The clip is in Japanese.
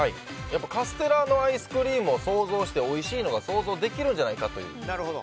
カステラのアイスクリームを想像しておいしいのが想像できるじゃないかということで。